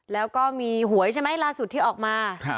แล้วก็มีหวยใช่ไหมล่าสุดที่ออกมา